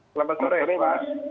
selamat sore pak